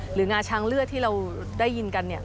หรืองาช้างเลือดที่เราได้ยินกัน